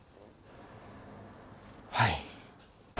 はい。